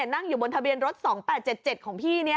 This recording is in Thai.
นั่งอยู่บนทะเบียนรถ๒๘๗๗ของพี่